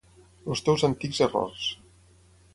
Els teus antics errors.